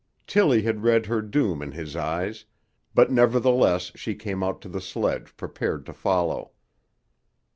Tillie had read her doom in his eyes, but nevertheless she came out to the sledge prepared to follow.